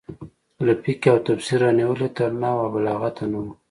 له فقهې او تفسیره رانیولې تر نحو او بلاغته نه وو.